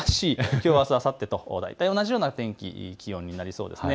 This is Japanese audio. きょう、あす、あさってと大体同じような天気、気温となりそうです。